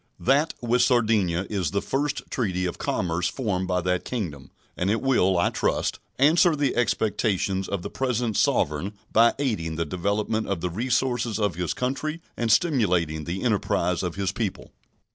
That with Sardinia is the first treaty of commerce formed by that Kingdom, and it will, I trust, answer the expectations of the present Sovereign by aiding the development of the resources of his country and stimulating the enterprise of his people.